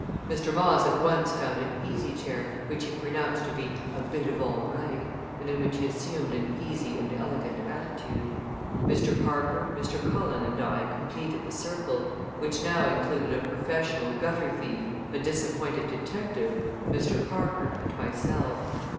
Mr. Moss at once found an easy chair, which he pronounced to be "a bit of all right" and in which he assumed an easy and elegant attitude. Mr. Parker, Mr. Cullen, and I completed the circle, which now included a professional gutter thief, a disappointed detective, Mr. Parker and myself.